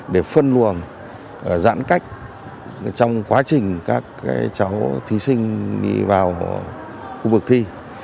để phân luồng giãn cách trong quá trình các cháu thí sinh đi vào khu vực thi